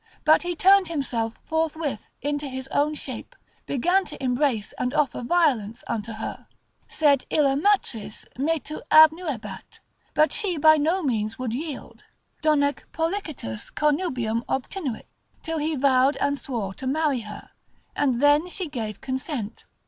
But he turned himself forthwith into his own shape, began to embrace and offer violence unto her, sed illa matris metu abnuebat, but she by no means would yield, donec pollicitus connubium obtinuit, till he vowed and swore to marry her, and then she gave consent.